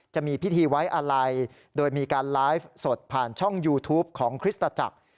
จะมีพิธีไว้อะไรโดยมีการไลฟ์สดผ่านช่องยูทูปของคริสตจักร